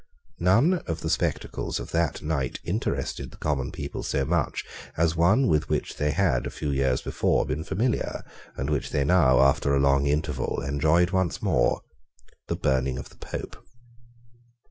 None of the spectacles of that night interested the common people so much as one with which they had, a few years before, been familiar, and which they now, after a long interval, enjoyed once more, the burning of the Pope.